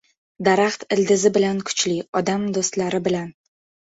• Daraxt ildizi bilan kuchli, odam — do‘stlari bilan.